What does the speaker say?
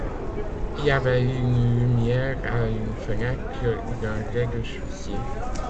Il y avait une lumière à une fenêtre d’un rez-de-chaussée.